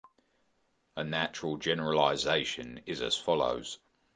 A natural generalization is as follows.